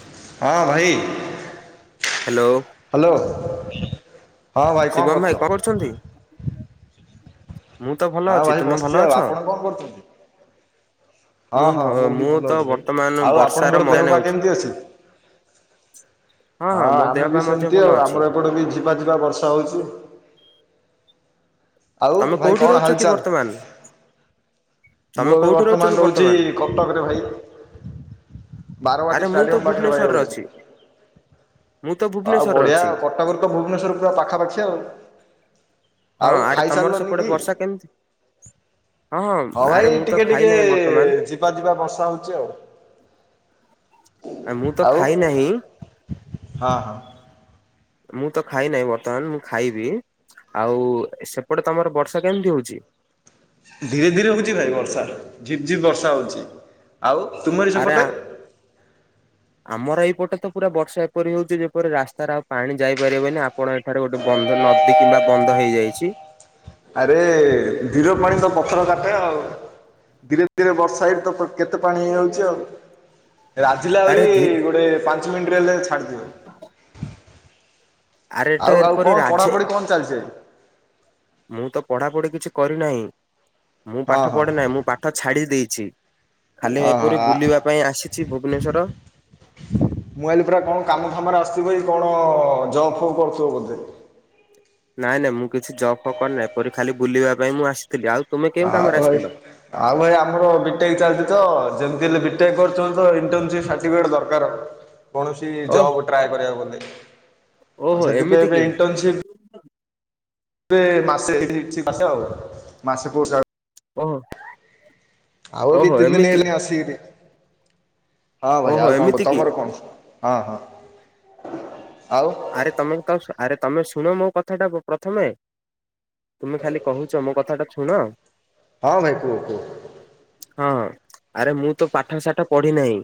[unintelligible] ହଁ ଭାଇ। Hello hello, ହୁଁ, ହଁ ଭାଇ କଣ କରୁଛ। କରିଛନ୍ତି। ଭଲ ହଁ ଅଛି ଭାଇ ତୁମେ ଭଲ ବସିଛି ଆଉ ଅଛ? ଆପଣ କଣ କରୁଛନ୍ତି? ହଁ ଭ ହଁ ମୁଁ ବି ଭଲ ତ ଅଛି ଭାଇ ବର୍ତ୍ତମାନ ଆଉ ବର୍ଷାର ଆପଣଙ୍କର ମଜା ଦେହ ପାହା ନେଉଛି। କେମିତି ଅଛି? ହଁ ମୋ ଦେହ ଆମେ ପା ବି ମଧ୍ୟ ସେମିତି ଭଲ ଆଉ ଅଛି। ଆମର ଏପଟେ ବି ଝିପାଝିପାବର୍ଷା ହଉଛି। ଆଉ ତମେ ଭାଇ କୋଉଠି କଣ ରହୁଛ କି ହାଲଚାଲ୍? ବର୍ତ୍ତମାନ? ମୁଁ ତମେ ଏବେ କୋଉଠି ରହୁଛ କି ବର୍ତ୍ତମାନ ରହୁଛି କଟକରେ ଭାଇ। ଆରେ ବାରବାଟୀ ମୁଁ ତ ଷ୍ଟାଡ଼ିୟମ ପାଖିରେ ଭାଇ ଭୁବନେଶ୍ଵରରେ ରହୁଚି। ଅଛି। ମୁଁ ତ ଭୁବନେଶ୍ୱରରେ ଅଛି। ତମର ଭୁବନେଶ୍ୱର ପୁରା ପାଖାପାଖି ଆଉ ହଁ ଆଉ ଆରେ ତମର ଖାଇସାରିଲନି ସେପଟେ କି? ବର୍ଷା କେମିତି? ହଁ ହଁ ଭାଇ ଆରେ ମୁଁ ତ ଟିକେ ଖାଇ ଟିକେ ନାହିଁ ବର୍ତ୍ତମାନ। ଝିପା ଝିପା ବର୍ଷା ହଉଛି ଆଉ ଆ ମୁଁ ତ ଆଉ ଖାଇ ନାହିଁ। ହଁ। ମୁଁ ତ ଖାଇ ନାହିଁ ବର୍ତ୍ତମାନ ମୁଁ ଖାଇବି। ଆଉ ସେପଟେ ତମର ବର୍ଷା କେମିତି ହଉଛି? ଧୀରେ ଧୀରେ ହଉଛି ଭାଇ ବର୍ଷା ଝିପ୍ ଝିପ୍ ବର୍ଷା ହଉଛି ଆଉ ତୁମରି ସେପଟେ। [inaudible] ଆମର ଏଇପଟେ ତ ପୁରା ବର୍ଷା ଏପରି ହଉଛି ଯେପରି ରାସ୍ତାରେ ଆଉ ପାଣି ଯାଇପାରିବନି। ଆ ଆପଣ ଏଠାରେ ଗୋଟେ ବନ୍ଧ ନଦୀ କିମ୍ବା ବନ୍ଧ ହେଇଯାଇଛି। ଆରେ ଧୀର ପାଣି ତ ପଥର କାଟେ ଆଉ। ଧୀରେ ଧୀରେ ବର୍ଷା ହେଇ ତ କେତେ ପାଣି ହେଇଯାଉଛି ଆଉ। ରାଝୀଲା ଆରେ ଆହୁରି ଧୀରେ ଗୋଟେ ପାଞ୍ଚ ମିନିଟରେ ହେଲେ ଛାଡିଦିବି। ଆରେ ଟ ଆଉ ଆଉ ଏପରି କଣ ରାଝେ। ପଢାପଢି କଣ ଚାଲିଛି? ମୁଁ ତ ପଢାପଢି କିଛି କରିନାହିଁ। ମୁଁ ହଁ ପାଠ ହଁ ପଢି ନାହିଁ ମୁଁ ପା ପାଠ ଛାଡି ଦେଇଛି ଖାଲି ଏପରି ଓହୋ ବୁଲିବା ପାଇଁ ଆସିଛି ଭୁବନେଶ୍ଵର। ମୁଁ ଆଇଲି ପୁରା କଣ କାମ ଫାମରେ ଆସିଥିବ ଭାଇ କଣ ଜବ୍ ଫବ୍ କରୁଥିବ ବୋଧେ। ନାଇଁ ନାଇଁ ମୁଁ କିଛି ଜବ୍ ଫବ୍ କରିନାହି ଏପରି ଖାଲି ବୁଲିବା ପାଇଁ ମୁଁ ଆସିଥିଲି। ଆଉ ତୁମେ କେଉଁ ଆ କାମରେ ଭାଇ ଆସିଥିଲ? ଆଉ ଭାଇ ଆମର ବିଟେକ୍ ଚାଲିଛି ତ ଯେମିତି ହେଲେ ବିଟେକ୍ କରୁଚନ୍ତି ତ ଇଣ୍ଟନସିପ୍ ସାଟିଫିକେଟ ଦରକାର। କୌଣସି ଓଃ ଜବ ଟ୍ରାଏ କରିବାକୁଲେ ଆଉ ଓହୋ ସେଥିପାଇଁ ଏମିତି ଏବେ କି ଇଣ୍ଟନସିପ ଏ ମାସେ ଏଇଠି ମାସେ ଆଉ ମାସେ ପ ଓହୋ। ଆଉ ଓହୋ ଦିତିନ୍ଦିନି ଏମିତି ହେଲିଣି ଆସିକିରି। ହଁ ଭାଇ ଓହୋ ଆଉ କଣ କ ଏମିତି କି ତମର କଣ ହଁ ହଁ ଆଉ? ଆରେ ତମେ ଆରେ ତମେ ଶୁଣ ମୋ କଥାଟା କୁ ପ୍ରଥମେ। ତୁମେ ଖାଲି କହୁଛ ମୋ କଥା ଟା ଶୁଣ। ହଁ ଭାଇ କୁହ କୁହ। ହଁ ଆରେ ମୁଁ ତ ପାଠ ସାଠ ପଢି ନାହିଁ।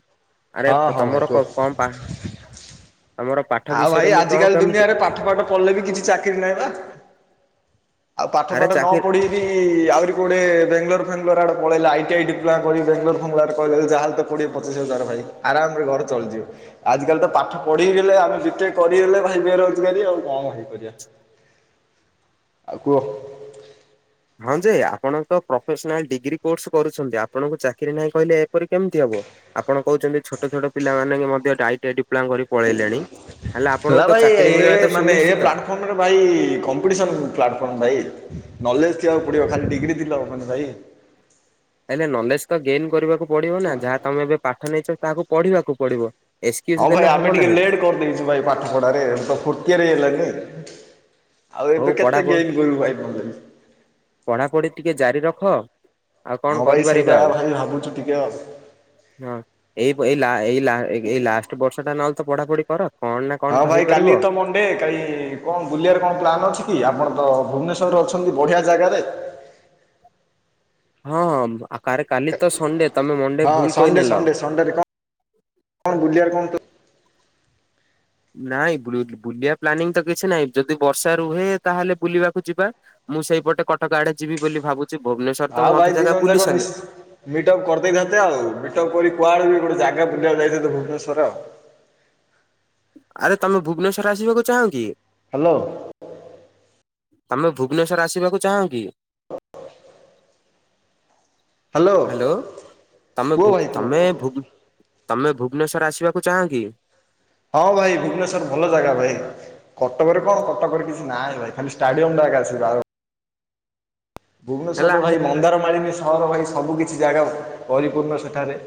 ଆରେ ହଁ ହଁ ଭାଇ ତମର କୁହ। କଣ ପା ତମର ପାଠ ଆଉ ବିଷୟରେ ଭାଇ ମୁଁ କଣ ଆଜିକାଲି କେମିତି ଦୁନିଆରେ ପାଠ ପାଠ ପଢିଲେ ବି କିଛି ଚାକିରି ନାହିଁ ବା। ଆଉ ପାଠ ଆରେ ପାଠ ନ ଚାକିରି ପଢି ବି ଆହୁରି କୁଆଡେ ବାଙ୍ଗଲୋର୍ ଫାଙ୍ଗଲୋର ଆଡେ ପଳେଇଲେ ଆଇଟିଆଇ ଡିପ୍ଲୋମା କରି ବାଙ୍ଗଲୋର ଫାଙ୍ଗଲୋର ପଳେଇଲେ ଯାହଲେ ତ କୋଡ଼ିଏ ପଚିଶି ହଜାର ଭାଇ ଆରାମ ରେ ଘର ଚଳିଯିବ। ଆଜି କାଲି ତ ପାଠ ପଢିକି ହେଲେ ଆମେ ବିଟେକ କରିକି ହେଲେ ଭାଇ ବେରୋଜଗାରୀ ଆଉ କଣ କରିବା ଆଉ କୁହ। ହଁ ଯେ ଆପଣ ତ ପ୍ରଫେସନାଲ ଡିଗ୍ରୀ କୋର୍ସ କରୁଛନ୍ତି ଆପଣଙ୍କୁ ଚାକିରି ନାହିଁ କହିଲେ ଏପରି କେମିତି ହବ। ଆପଣ କହୁଛନ୍ତି ଛୋଟ ଛୋଟ ପିଲାମାନେ ମଧ୍ୟ ଆଇ ଟି ଆଇ ଡିପ୍ଲମା କରି ପଳେଇଲେଣି। ହେଲେ ଆପଣଙ୍କୁ ତ ଚାକିରି ମିଳିବାଟା ସୁନିଶ୍ଚିତ। ଆମର ଭାଇ କମ୍ପିଟିସନ ପ୍ଲାଟଫର୍ମ ଭାଇ ନଲେଜ ଥିବାକୁ ପଡିବ ଖାଲି ଡିଗ୍ରୀ ଥିଲା ହବନି ଭାଇ। ହେଲେ ନଲେଜ ତ ଗେନ୍‌ କରିବାକୁ ପଡିବ। ନା ଯାହା ତମେ ଏବେ ପାଠ ନେଇଛ ତାହାକୁ ପଢିବାକୁ ପଡିବ। ଏକ୍ସକ୍ୟୁଜ ହଁ ଦେଲେ ଭାଇ ହବ ଆମେ ଟିକେ ନାହିଁ ଲେଟ୍ କରିଦେଇଛୁ ଭାଇ ପା। ପାଠ ପଢ଼ାରେ ଏତେ ଫୁର୍ଟିଆରେ ହେଲାନି ଆଉ ହଉ ଏବେ ପଢା କେତେ ଗେନ୍‌ କରିବୁ ଭାଇ। ପଢାପଢ଼ି ଟିକେ ଜାରି ରଖ। ଆଉ କଣ ହଁ ଭାଇ କରିପାରିବା ସେଇଟା ଆଉ। ଭାଇ ଭାବୁଛୁ ଟିକେ ଆଉ। ହଁ ଏଇ ଏଇ ଏଇ ଏଇ ଲାଷ୍ଟ ବର୍ଷ ଟା ନହଲେ ତ ପଢାପଢି କର। କଣ ନା କଣ ତ ହେଇପାରିବ। ଗଟେ କାହିଁ କଣ ବୁଲିବାର କଣ ପ୍ଲାନ୍ ଅଛି କି ଆପଣ ତ ଭୁବନେଶ୍ୱରରେ ଅଛନ୍ତି ବଢ଼ିଆ ଜାଗାରେ। ହଁ ହଁ କ କାଲି ତ ସଣ୍ଡେ ତମେ ମଣ୍ଡେ ଭୁଲ କହିନେଲ। ଣ୍ଡରେ କଣ କଣ ବୁଲ କଣ ନ୍ତୁ ନାଇଁ ବୁଲିବା ପ୍ଲାନିଂ ତ କିଛି ନହିଁ। ଯଦି ବର୍ଷା ରୁହେ ତାହେଲେ ବୁଲିବାକୁ ଯିବା। ମୁଁ ସେଇପଟେ କଟକ ଆଡେ ଯିବି ବୋଲି ଭାବୁଛି ଭୁବନେସ୍ୱର ତ ହଁ ଭାଇ ବହୁତ ଦି ଜାଗା ଜଣ ବୁଲି ଯାକ ମିଶି ସାରିଲିଣି ମିଟଅପ୍ କରିଦେଇଥାନ୍ତେ ଆଉ ମିଟଅପ କରି କୁଆଡେ ବି ଗୋଟେ ଜାଗା ବୁଲିବାକୁ ଯାଇଥାନ୍ତେ ଭୁବନେଶ୍ୱର ଆଉ। ଆରେ ତମେ ଭୁବନେଶ୍୍ୱର ଆସିବାକୁ ଚାଁ କି? ହ୍ୟାଲୋ। ତମେ ଭୁବନେଶ୍ଵର ଆସିବାକୁ ଚାହୁଁ କି? ହ୍ୟାଲୋ ତମେ କୁହ ଭାଇ କୁହ ତମେ ତମେ ଭୁବନେଶ୍ୱର ଆସିବାକୁ ଚାହଁ କି? ହଁ ଭାଇ ଭୁବନେଶ୍ୱର ଭଲ ଜାଗା ଭାଇ। କଟକରେ କଣ କଟକରେ କିଛି ନାହିଁ ଭାଇ ଖାଲି ଷ୍ଟାଡିୟମ ଟା ଏକେ ଆସି ହେଲା ଭୁବନେଶ୍ୱରରେ ଭାଇ ମନ୍ଦାରମାଳିନୀ ସହର ଭାଇ ସବୁ କିିଛି ଜାଗା ପରିପୂର୍ଣ୍ଣ ସେଠାରେ।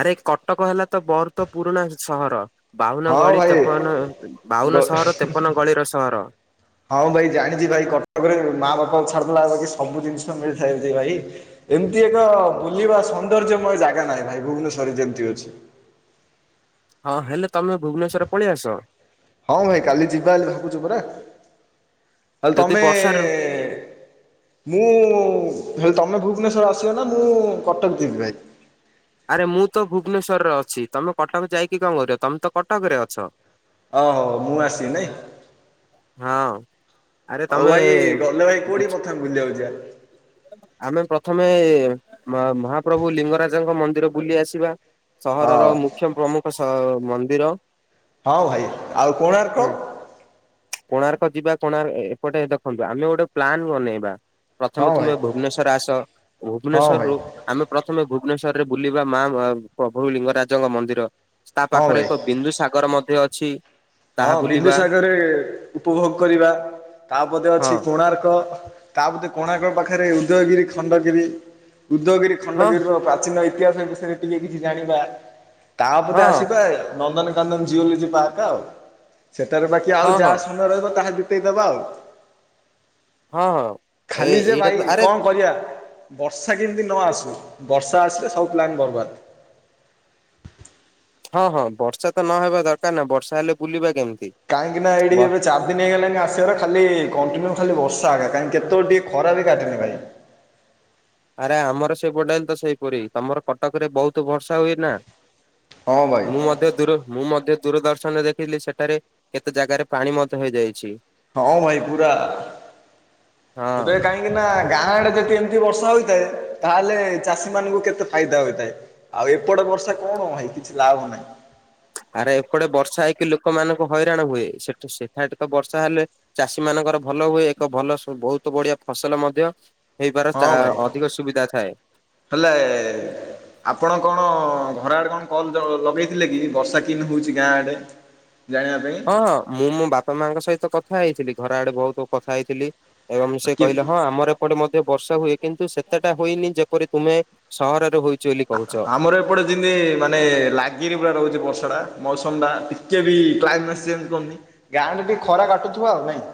ଆରେ କଟକ ହେଲା ତ ବହୁତ ପୁରୁଣା ସହର। ବାଉନ ହଁ ଗଳି ଭାଇ ତେପନ ଗ ବାଉନ ସହର ତେପନ ଗଳିର ସହର। ହଁ ଭାଇ ଜାଣିଛି ଭାଇ କଟକରେ ମାଆ ବାପା ଛାଡିଦେଲା ସବୁ ଜିନିଷ ମିଳିଥାଏ ଭାଇ। ଏମିତି ଏକ ବୁଲିବା ସୌନ୍ଦର୍ଯ୍ୟମୟ ଜାଗା ନାହିଁ ଭାଇ ଭୁବନେଶ୍ଵରରେ ଯେମିତି ଅଛି। ହଁ ହେଲେ ତମେ ଭୁବନେଶ୍ୱରରେ ପଳେଇ ଆସ। ହଁ ଭାଇ କାଲି ଯିବା ହେ ଭାବୁଛୁ ପରା। ତାଲେ ଯଦି ତମେ ବର୍ଷା ଋ ମୁଁ ହେଲେ ତମେ ଭୁବନେଶ୍ୱର ଆସିବ ନା ମୁଁ କଟକ ଯିବି ଭାଇ। ଆରେ ମୁଁ ତ ଭୁବନେଶ୍ୱରରେ ଅଛି ତମେ କଟକ ଯାଇକି କଣ କରିବ ତମେ ତ କଟକ ରେ ଅଛ। ଓହୋ ମୁଁ ଆସି ନାଇଁ। ହଁ। ଆରେ ହଉ ତମେ ଭାଇ ଗଲେ ଭାଇ ବୁଝ କେଉଠି ପ୍ରଥମେ ବୁଲିବାକୁ ଯିବା। ଆମେ ପ୍ରଥମେ ମହାପ୍ରଭୁ ଲିଙ୍ଗରାଜଙ୍କ ମନ୍ଦିର ବୁଲି ଆସିବା। ହଁ ସହରର ମୁଖ୍ୟ ପ୍ରମୁଖ ସ ମନ୍ଦିର। ହଁ ଭାଇ ଆଉ କୋଣାର୍କ। ହୁଁ। କୋଣାର୍କ ଯିବା କୋଣାର୍କ ଏପଟେ ଦେଖନ୍ତୁ ଆମେ ଗୋଟେ ପ୍ଲାନ ବନେଇବା। ହଁ ପ୍ରଥମେ ଭାଇ ତୁମେ ଭୁବନେଶ୍ଵର ଆସ ହଁ ଭୁବନେଶ୍ର ଭାଇ ରୁ ଆମେ ପ୍ରଥମେ ଭୁବନେଶ୍ଵ ରେ ବୁଲିବା ମା ପ୍ରଭୁ ଲିଙ୍ଗରାଜଙ୍କ ମନ୍ଦିର ତା ହଁ ପାଖରେ ଭାଇ। ଏକ ବିନ୍ଦୁ ସାଗର ମଧ୍ୟ ଅଛି। ହଁ ତାହା ବୁଲିବା ବିନ୍ଦୁସାଗରରେ ଉପଭୋଗ କରିବା ତାପଦ ହଁ ଅଛି କୋଣାର୍କ। ତାପଧରେ କୋଣାର୍କ ପାଖରେ ଉଦୟଗିରି ଖଣ୍ଡଗିରି ଉଦୟଗିରି ହଁ ଖଣ୍ଡଗିରିର ପ୍ରାଚୀନ ଇ ତିହାସ ବିଷୟରେ ଟିକେ କିଛି କିଛି ଜାଣିବା ତା ପରେ ହଁ ଆସିବା ନନ୍ଦନ ଚାନନ୍ଦ ଜିଓଲୋଜି ପାର୍କ ଆଉ। ସେଠାରେ ବାକି ଆଉ ହଁ ହଁ ଯାହା ସମୟ ରହିବ ତାହା ବିତେଇଦବା ଆଉ। ହଁ ହଁ। ଏ ଖାଲି ଯେ ଏଇଟା ଭାଇ ତ ଆରେ କଣ କରିବା। ବର୍ଷା କେମିତି ନ ଆସୁ ବର୍ଷା ଆସିଲେ ସବୁ ପ୍ଲାନ୍ ବର୍ବାଦ। ହଁ ହଁ ବର୍ଷା ତ ନହବା ଦରକାର ନା ବର୍ଷା ହେଲେ ବୁଲିବା କେମିତି। କାହିଁକି ନା ଏଇଡିି ବ ଏବେ ଚା ଆଦିନ ହେଗଲାଣିି ଆସିବାର ଖଲି କଣ୍ଟିନ୍ୟୁ ଖା ବର୍ଷାଗ କାହିକି କେତେ ଟିକଏ ଖରା ବି କାଟିନି ଭାଇ। ଆରେ ଆମର ସେ ପଡା ତ ସେଇପରି ତମର କଟକ ରେ ବହୁତ ବର୍ଷା ହୁଏ ନା। ହଁ ଭାଇ। ମୁଁ ମଧ୍ୟ ଦୂର ମୁଁ ମଧ୍ୟ ଦୂରଦର୍ଶନରେ ଦେଖଥିଲି ସେଠାରେ କେତେ ଜାଗାରେ ପାଣି ମଧ୍ୟ ହେଇଯାଇଛି। ହଁ ଭାଇ ପୁରା ହଁ ଏବେ କାହିଁ କାହିଁକି ନା ଗାଁ ଆଡେ ଯଦି ଏମିତି ବର୍ଷା ହୋଇଥାଏ ତାହେଲେ ଚାଷୀ ମାନଙ୍କୁ କେତେ ଫାଇଦା ହୋଇଥାଏ। ଆଉ ଏପଟେ ବର୍ଷା କଣ ଭାଇ କିଛି ଲାଭ ନାହିଁ। ଆରେ ଏପଟେ ବର୍ଷା ହେଇକି ଲୋକମାନଙ୍କୁ ହଇରାଣ ହୁଏ ସେଠ ସେଠାରେ ଟ ତ ବର୍ଷା ହେଲେ ଚାଷୀ ମାନଙ୍କର ଭଲ ହୁଏ ଏକ ଭଲ ବହୁତ ବଢିଆ ଫସଲ ମଧ୍ୟ। ହେଇବାର ହଁ ଚା ଭାଇ ଅଧିକ ସୁବିଧା ଥାଏ। ହେଲେ। ଆପଣ କଣ ଘର ଆଡେ କଣ କଲ ଲଗେଇଥିଲେ କି ବର୍ଷା କିନ୍ ହଉଛି ଗାଁ ଆଡେ। ଜାଣିବା ପାଇଁ। ହଁ ମୁଁ ମୋ ବାପା ମାଙ୍କ ସହିତ କଥା ହେଇଥିଲି ଘର ଆଡେ ବହୁତ କଥା ହେଇଥିଲି। ଏବଂ ସେ କି କହିଲେ ହଁ ଆମର ପଟେ ମଧ୍ୟ ବର୍ଷା ହୁଏ କିନ୍ତୁ ସେତେଟା ହୋଇନି ଯେପରି ତୁମେ ସହରରେ ହୋ ଆମର ଏ ସେପଟେ ଯେମିତି ମାନେ ଲାଗିରି ପୁରା ରହୁଛି ବର୍ଷାଟା ମୌସମଟା ଟିକେ ବି କ୍ଲାଇମେଟ ଚେଞ୍ଜ କରୁନି। ଗାଁରେ ଟିକେ ଖରା କାଟୁଥିବ ଆଉ ନାଇଁ।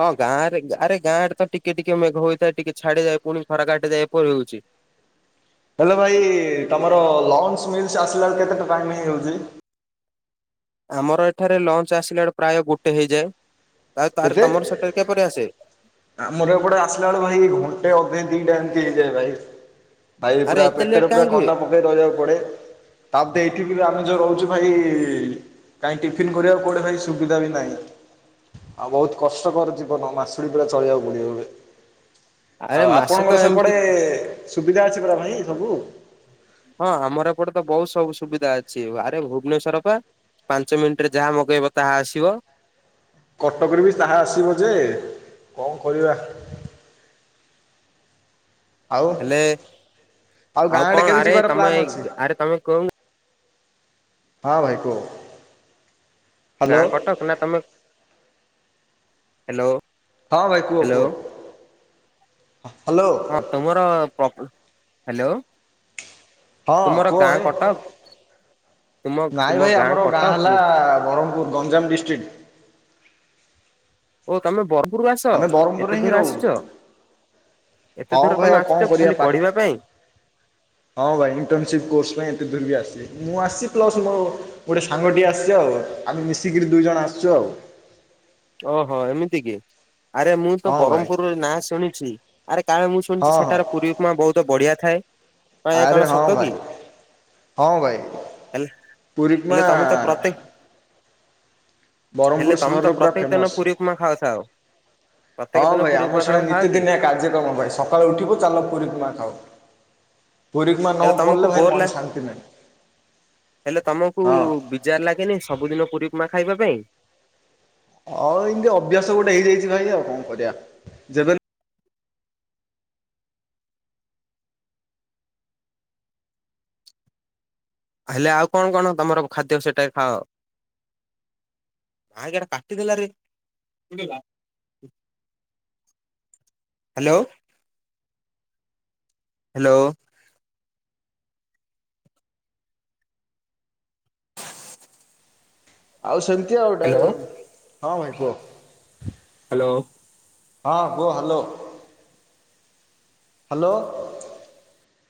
ହଁ ଗାଁରେ ରେ ଗାଁ ରେ ତ ଟିକେ ଟିକେ ମେଘ ହୋଇଇଥାଏ ଟିକେ ଛାଡିଯାଏ ପୁଣି ରା କାଟିଯାଏ ଏପରି ହଉଛି। ହେଲୋ ଭାଇ ତମର ଲଞ୍ଚ ମିଲ୍ସ ଆସିଲା ବେଳେ କେତେଟା ଟାଇମ୍ ହେଇଯାଉଛି। ଆମର ଏଠାରେ ଲଞ୍ଚ ଆସିଲା ବେଳ ପ୍ରାୟ ଗୋଟେ ହେଇଯାଏ ଆଉ ତାର ତମର ସେଠାରେ କିପରି ଆସେ? ଆ ମୋର ଏପଟେ ଆସିଲା ବେଳେ ଭାଇ ଘଣ୍ଟେ ଅଧେ ଦିଟା ଏମିତି ହେଇଯାଏ ଭାଇ। ଭାଇ ଆରେ ପୁରା ଏତେ ଲେଟ୍ ପେଟରେ ପୁରା କାହିଁକି ହୁଏ? କନା ପକେଇ ରହିବାକୁ ପଡେ। ତାପ ଏଇଠି ବି ଆମେ ଯୋଉ ରହୁଛୁ ଭାଇ କାଇଁ ଟିଫନ୍ କରିବାକୁ କୋଆଡେ ଭାଇ ସୁବିଧା ବି ନାହିଁ ଆଉ ବହୁତ କଷ୍ଟକର ଜୀବନ ମାସୁଡି ପା ଚଳିବାକୁ ପଡ଼ିବ ଏବେ ଆରେ ଆଉ ମାସେ ତ ଆପଣଙ୍କର ଏମିତି ସେପଟେ ସୁବିଧା ଅଛି ପରା ଭାଇ ସବୁ। ହଁ ଆମର ଏପଟେ ତ ବହୁତ ସବୁ ସୁବିଧା ଅଛି ଆରେ ଭୁବନେଶ୍ଵର ପା। ପାଞ୍ଚ ମିନିଟ ରେ ଯାହା ମଗେଇବ ତାହା ଆସିବ। କଟକରେ ବି ତାହା ଆସିବା ଜେ କଣ କରିବା। ଆଉ ହେଲେ ଆଉ ଗାଁ କଣ ଆଡେ କେବେ ଆରେ ଯିବାର ତମେ ପ୍ଲାନ୍ ଅଛି। ଆରେ ତମେ କୋଉ ହଁ ଭାଇ କୁହ। ହ୍ୟାଲୋ ଗାଁ କଟକ ନା ତମେ ହ୍ୟାଲୋ ହଁ ଭାଇ କୁହ କୁହ ହ୍ୟାଲୋ ହ୍ୟାଲୋ। ହଁ ତୁମର ହ୍ୟାଲୋ। ହଁ ତୁମର କୁହ ଗାଁ ହେ। କଟକ ତୁମ ନାଇଁ ତୁମ ଭାଇ ଆମର ଗାଁ କଟକ ହେଲା ବ୍ରହ୍ମପୁର ଗଞ୍ଜାମ ଡିଷ୍ଟ୍ରିକ୍ଟ। ଓ ତମେ ବରପୁରକୁ ଆସ ଆମେ ବ୍ରହ୍ମପୁରରେ ଏତେ ହିଁ ଦୂର ରହୁ ଆସିଛ। ଏତେ ହଁ ଦୂର ଭାଇ ତମେ ଆଉ କଣ ଆସିଛ କରିବା ଖାଲି ପାଠ ପଢିବା ପାଇଁ। ହଁ ଭାଇ ଣ୍ଟର୍ନସିପ କୋର୍ସ ପାଇଁ ଏତେ ଦୁର ବି ଆସି। ମୁଁ ଆସି ପ୍ଲସ୍ ମୋ ଗୋଟଏ ସାଙ୍ଗଟିଏ ଆସିଛି ଆଉ ଆମେ ମିଶିକିରି ଦୁଇ ଜଣ ଆସିଛୁ ଆଉ। ଓହୋ ଏମିତି କି। ଆରେ ମୁଁ ତ ହଁ ଭାଇ ବ୍ରହ୍ମପୁର ନାଁ ଶୁଣିଛି ଆରେ କାଳେ ମୁଁ ଶୁଣିଛି ହଁ ହଁ ସେଠାରେ ପୁରୀ ଉପମା ବହୁତ ବଢ଼ିଆ ଥାଏ ଏହା ଆରେ କଣ ହଁ ସତ କି? ଭାଇ ହଁ ଭାଇ ହେଲ ପୁରୀ ଉପମା ହେଲେ ତମେ ତ ପ୍ରତ୍ୟେକ ହେଲେ ବ୍ରହ୍ମପୁର ତମେ ତ ସହରର ପୁରା ପ୍ରତ୍ୟେକ ଦିନ ଫେମସ ପୁରୀ ଉପମା ଖାଉଥାଅ। ପ୍ରତ୍ୟେକ ହଁ ଦିନ ଭାଇ ପୁରୀ ଉପମା ଆମର ତମେ ସେ ଖାଅ ନୀତି କି? ଦିନି କାର୍ଯ୍ୟକ୍ରମ ପାଇଁ ସକାଳେୁ ଉଠିବୁ ଚାଲ ପୁରୀକୁ ମା ଖାଅ। ପୁରୀ ଉପମା ନ ହେଲେ ତମକୁ ପଲଲେ ଭାଇ ବୋର ଲା ମନ ଶାନ୍ତି ନାହିଁ ହଁ। ଜାର ଲାଗେନି ସବୁଦିନ ପୁରୀ ଉପମା ଖାଇବା ପାଇଁ? ହଉ ଏଇମତି ଅଭ୍ୟାସ ଗୋଟେ ହେଇଯାଇଛି ଭାଇ ଆଉ କଣ କରିବା ଯେବେ ହେଲେ ଆଉ କଣ କଣ ତମର ଖାଦ୍ୟ ସେଟା ଖାଅ? ! ! ! ! ହ୍ୟାଲୋ। ହ୍ୟାଲୋ। ଆଉ ସେମିତି ଆଉ ଟେ ହଁ ଭାଇ କୁହ। ହ୍ୟାଲୋ। ହଁ କୁହ ହ୍ୟାଲୋ। ହ୍ୟାଲୋ।